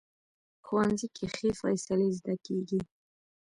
ښوونځی کې ښې فیصلې زده کېږي